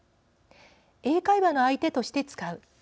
英会話の相手として使う。